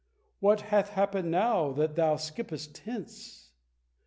What hath happened now that thou skippest hence?"